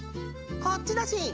こっちだしん！